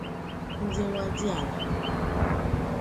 ndị nwadiala